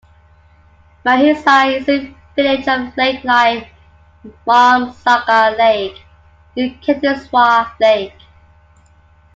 Mahisa is a village of lake like Marmsagar Lake, Utkantheswar Lake.